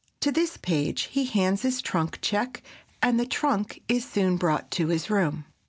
To this page he hands his trunk check, and the trunk is soon brought to his room.